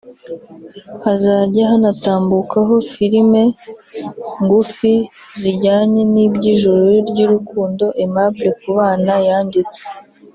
hazajya hanatambukaho filime ngufi zijyanye n’iby’ijoro ry’urukundo Aimable Kubana yanditse